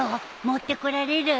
持ってこられる？